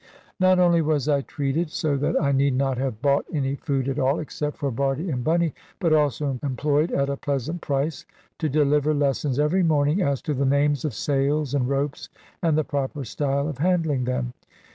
Not only was I treated so that I need not have bought any food at all except for Bardie and Bunny but also employed at a pleasant price to deliver lessons every morning as to the names of sails and ropes and the proper style of handling them.